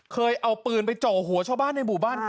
เคยเอาปืนไปเจาะหัวชาวบ้านในหมู่บ้านกัน